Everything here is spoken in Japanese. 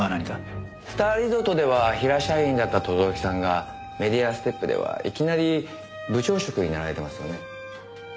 スターリゾートでは平社員だった轟さんがメディアステップではいきなり部長職になられてますよね？